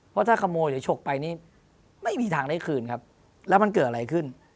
เพราะถ้าขโมยหรือฉกไปนี่ไม่มีทางได้คืนครับแล้วมันเกิดอะไรขึ้น